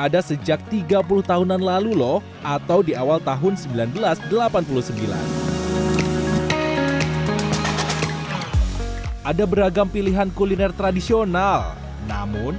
ada sejak tiga puluh tahunan lalu loh atau di awal tahun seribu sembilan ratus delapan puluh sembilan ada beragam pilihan kuliner tradisional namun